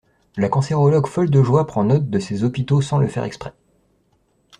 La cancérologue folle de joie prend note de ces hôpitaux sans le faire exprès!